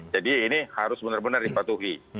jadi ini harus benar benar dipatuhi